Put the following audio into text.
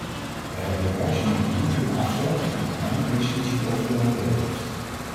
Wij hebben de werkzaamheden niet kunnen afsluiten met een eindresolutie over een overeenkomst.